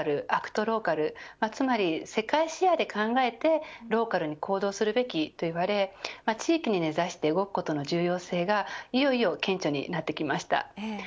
つまり世界視野で考えてローカルに行動するべきと言われ地域に根差して動くことの重要性がいよいよ顕著になってきました。